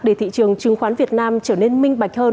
để thị trường chứng khoán việt nam trở nên minh bạch hơn